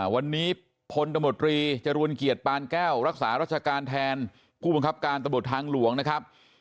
วันนี้พลตมตรีจรูลเกียรติปานแก้วรักษารัชการแทนผู้บังคับการตำรวจทางหลวงนะครับ